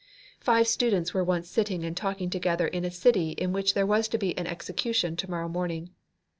Five students were once sitting and talking together in a city in which there was to be an execution to morrow morning.